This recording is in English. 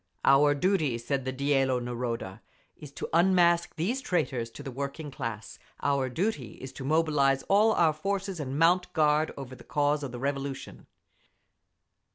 Our duty (said the Dielo Naroda) is to unmask these traitors to the working class. Our duty is to mobilise all our forces and mount guard over the cause of the Revolution!